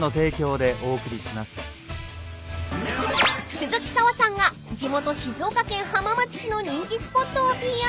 ［鈴木砂羽さんが地元静岡県浜松市の人気スポットをＰＲ］